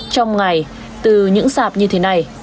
trong ngày từ những sạp như thế này